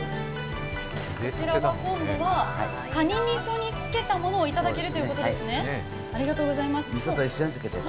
こちらは今度はかにみそにつけたものをいただけるということですね。